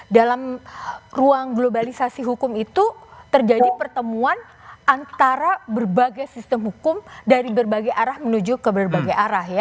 dalam ruang globalisasi hukum itu terjadi pertemuan antara berbagai sistem hukum dari berbagai arah menuju ke berbagai arah ya